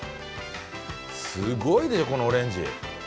すごいでしょこのオレンジ。